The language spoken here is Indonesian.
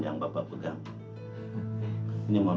syukurlah bapak heria maklum